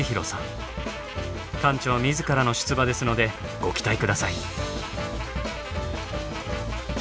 館長自らの出馬ですのでご期待下さい。